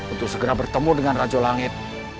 untuk segera bertemu dengan rajo langit